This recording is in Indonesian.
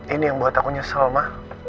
ini yang buat aku nyesel mah